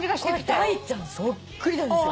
ダイちゃんそっくりなんですよ。